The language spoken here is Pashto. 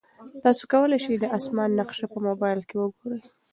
تاسي کولای شئ د اسمان نقشه په موبایل کې وګورئ.